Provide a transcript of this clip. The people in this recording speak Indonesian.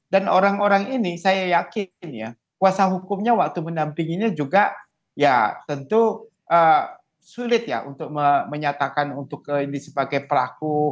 dan orang orang ini saya yakin ya kuasa hukumnya waktu menampinginya juga ya tentu sulit ya untuk menyatakan untuk ini sebagai pelaku